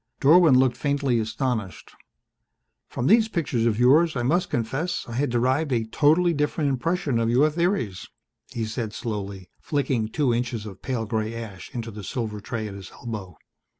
Dorwin looked faintly astonished. "From these pictures of yours I must confess I had derived a totally different impression of your theories," he said slowly, flicking two inches of pale grey ash into the silver tray at his elbow.